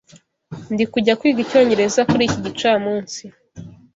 Ndikujya kwiga icyongereza kuri iki gicamunsi.